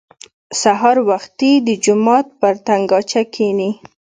سهار وختي د جومات پر تنګاچه کښېني.